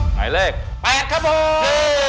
หมายเลข๘ครับผม